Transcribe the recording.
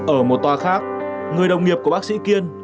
ở một tòa khác người đồng nghiệp của bác sĩ kiên